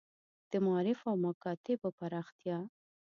د معارف او مکاتیبو پراختیا.